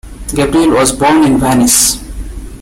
Gabrieli was born in Venice.